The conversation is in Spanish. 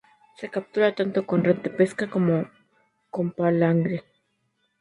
Se captura tanto con red de pesca como con palangre.